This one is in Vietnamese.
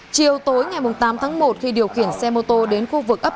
chiều tối ngày tám tháng một khi điều khiển xe mô tô đến khu vực ấp một